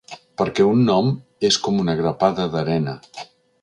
Perquè un nom és com una grapada d’arena.